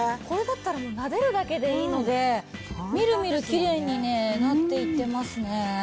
これだったらなでるだけでいいのでみるみるキレイにねなっていってますね。